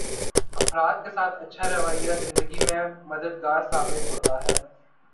افراد کے ساتھ اچھا رویہ زندگی میں مددگار ثابت ہوتا ہے